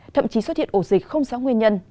thậm chí xuất hiện ổ dịch không rõ nguyên nhân